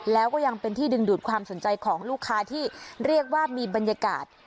แล้วก็ยังเป็นที่ดึงดูดความสนใจของลูกค้าที่เรียกว่ามีบรรยากาศ